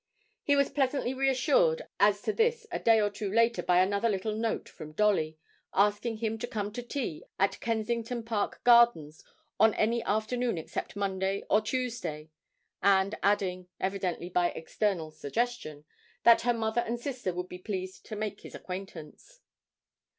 He was pleasantly reassured as to this a day or two later by another little note from Dolly, asking him to come to tea at Kensington Park Gardens on any afternoon except Monday or Thursday, and adding (evidently by external suggestion) that her mother and sister would be pleased to make his acquaintance.